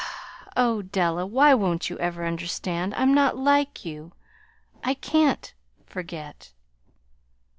"Oh, Della, why won't you ever understand? I'm not like you. I can't forget."